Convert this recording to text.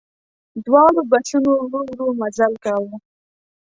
دواړو بسونو ورو ورو مزل کاوه.